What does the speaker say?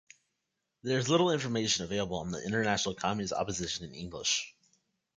There is little information available on the International Communist Opposition in English.